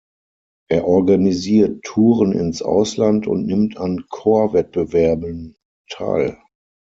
Er organisiert Touren ins Ausland und nimmt an Chorwettbewerben teil.